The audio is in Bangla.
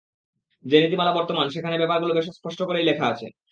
যে নীতিমালা বর্তমান সেখানে ব্যাপারগুলো বেশ স্পষ্ট করেই লেখা আছে।